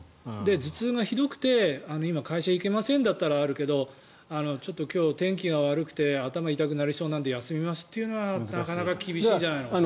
頭痛がひどくて今、会社に行けませんだったらあるけどちょっと今日、天気が悪くて頭が痛くなりそうなので休みますっていうのはなかなか厳しいんじゃないの。